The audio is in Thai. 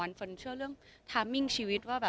บางทีเค้าแค่อยากดึงเค้าต้องการอะไรจับเราไหล่ลูกหรือยังไง